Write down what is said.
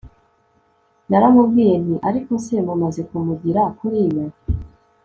Naramubwiye nti ariko se mumaze kumugira kuriya